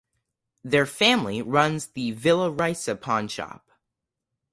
Their family runs the Villarica Pawnshop.